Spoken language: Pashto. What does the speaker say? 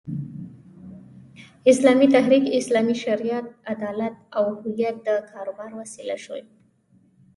اسلامي تحریک، اسلامي شریعت، عدالت او هویت د کاروبار وسیله شول.